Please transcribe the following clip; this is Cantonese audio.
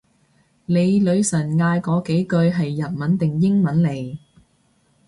你女神嗌嗰幾句係日文定英文嚟？